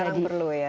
sekarang perlu ya